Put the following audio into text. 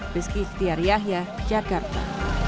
beski iktiar yahya jakarta